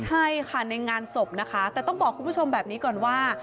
ใช่ค่ะในงานศพนะคะแต่ต้องบอกคุณผู้ชมแบบนี้ก่อนว่า